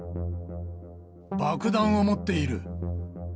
爆弾を持っている。